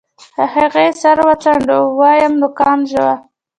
هغې سر وڅنډه ويم نوکان ژوو.